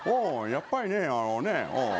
やっぱりねあのねおん。